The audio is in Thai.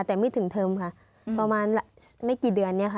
แต่ไม่ถึงเทอมค่ะประมาณไม่กี่เดือนเนี่ยค่ะ